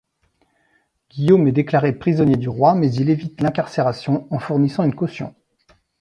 Guillaume est déclaré prisonnier du roi, mais il évite l'incarcération en fournissant une caution.